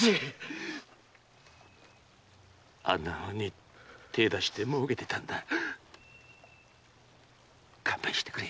あんな物に手を出して儲けてたんだ勘弁してくれ。